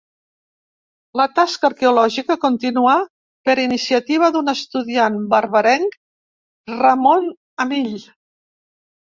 La tasca arqueològica continuà per iniciativa d'un estudiant barberenc, Ramon Amill.